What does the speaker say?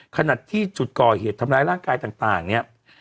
ขณะที่จุดก่อเหตุทำร้ายร่างกายต่างเนี่ย